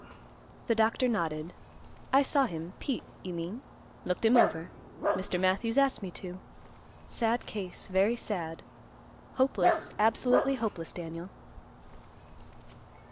The doctor nodded. "I saw him; Pete, you mean. Looked him over. Mr. Matthews asked me to. Sad case, very sad. Hopeless, absolutely hopeless, Daniel."